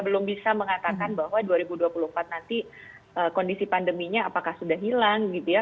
belum bisa mengatakan bahwa dua ribu dua puluh empat nanti kondisi pandeminya apakah sudah hilang gitu ya